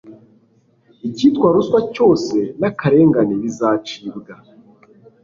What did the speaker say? icyitwa ruswa cyose n'akarengane bizacibwa